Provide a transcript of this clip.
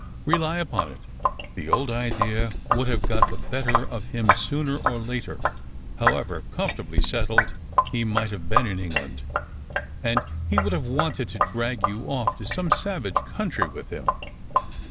Rely upon it, the old idea would have got the better of him sooner or later, however comfortably settled he might have been in England ; and he would have wanted to drag you off to some savage country with him."